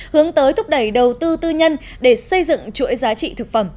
hướng tới thúc đẩy đầu tư tư nhân để xây dựng chuỗi giá trị thực phẩm